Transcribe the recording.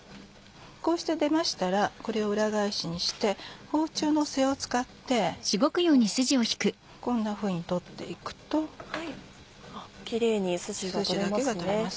こうして出ましたらこれを裏返しにして包丁の背を使ってこんなふうに取って行くとスジだけが取れます。